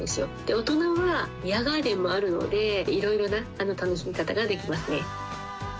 大人はビアガーデンもあるので、いろいろな楽しみ方ができますね。